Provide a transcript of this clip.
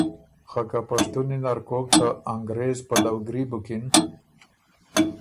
خه که پشتُونی نر کوک ته انګرېز پلؤګري بُکِن